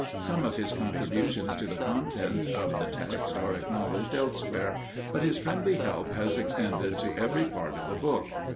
Some of his contributions to the content of the text are acknowledged elsewhere, but his friendly help has extended to every part of the book.